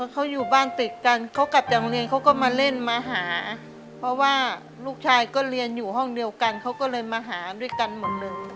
เขาอยู่บ้านติดกันเขากลับจากโรงเรียนเขาก็มาเล่นมาหาเพราะว่าลูกชายก็เรียนอยู่ห้องเดียวกันเขาก็เลยมาหาด้วยกันหมดเลย